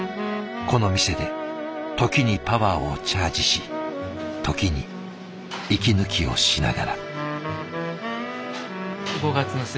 この店で時にパワーをチャージし時に息抜きをしながら。